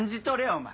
お前！